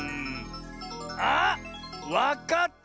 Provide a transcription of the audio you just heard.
あっわかった！